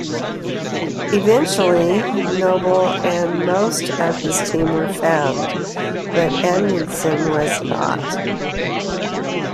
Eventually Nobile and most of his team were found, but Amundsen was not.